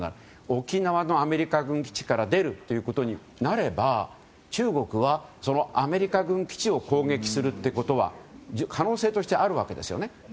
沖縄のアメリカ軍基地から出るということになれば中国はそのアメリカ軍基地を攻撃するということは可能性としてあるわけですね。